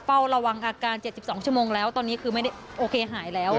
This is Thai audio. เฝ้าระวังอาการ๗๒ชั่วโมงแล้วตอนนี้คือไม่ได้โอเคหายแล้ว